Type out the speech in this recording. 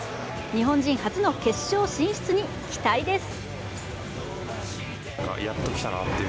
日本人初の決勝進出に期待です。